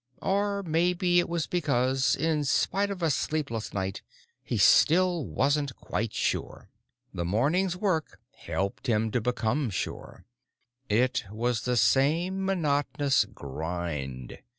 Or maybe it was because, in spite of a sleepless night, he still wasn't quite sure. The morning's work helped him to become sure. It was the same monotonous grind.